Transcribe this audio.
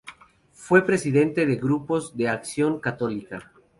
Fue presidente de grupos de Acción católica.